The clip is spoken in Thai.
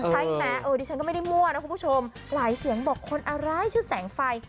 ใช่ไหมเออดิฉันก็ไม่ได้มั่วนะคุณผู้ชมหลายเสียงบอกคนอะไรชื่อแสงไฟ